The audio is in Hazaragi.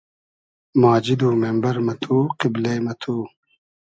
ماجید و مېمبئر مہ تو , قیبلې مہ تو